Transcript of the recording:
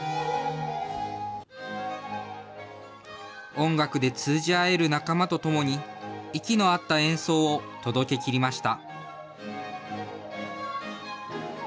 音楽で通じ合える仲間と共に、息の合った演奏を届けきりました。